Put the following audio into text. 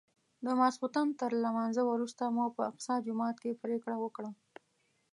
د ماسختن تر لمانځه وروسته مو په اقصی جومات کې پرېکړه وکړه.